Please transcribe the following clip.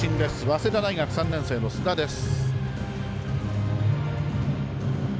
早稲田大学３年生の須田です。